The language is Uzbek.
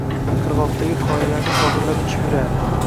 qirg‘oqdagi qoyalarni bag‘irlab uchib yurardi.